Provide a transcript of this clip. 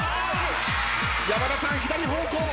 山田さん左方向。